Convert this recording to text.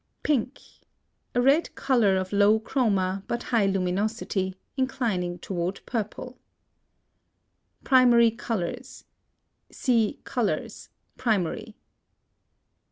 PINK. A red color of low chroma, but high luminosity, inclining toward purple. PRIMARY COLORS. See Colors, primary.